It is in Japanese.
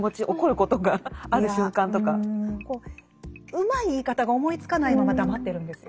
うまい言い方が思いつかないまま黙ってるんですよ。